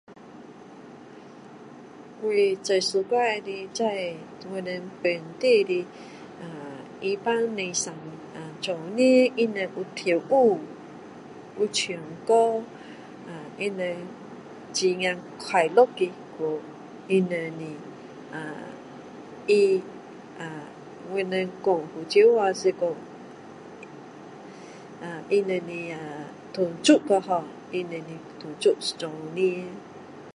我最喜欢的在我们这本地的伊班是新年他们有跳舞有唱歌啊他们很快乐的过他们的他啊他我们说福州话是说他们的啊土著ho他们的土著的做年